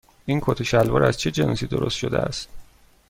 این کت و شلوار از چه جنسی درست شده است؟